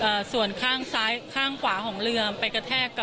พูดสิทธิ์ข่าวธรรมดาทีวีรายงานสดจากโรงพยาบาลพระนครศรีอยุธยาครับ